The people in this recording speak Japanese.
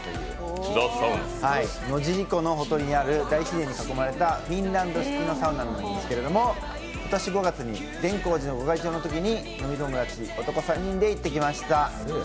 野尻湖のほとりにある大自然に囲まれたフィンランドサウナで今年５月に善光寺のご開帳のときに飲み友達、男３人で行ってきました。